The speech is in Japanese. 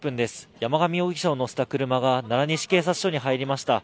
山上容疑者を乗せた車が奈良西警察署に入りました。